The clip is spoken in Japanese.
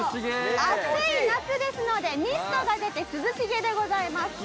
暑い夏ですのでミストが出て涼しげでございます。